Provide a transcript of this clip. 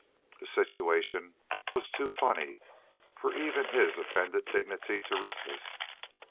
The situation was too funny for even his offended dignity to resist.